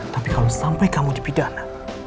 tapi kalau sampai kamu di pidana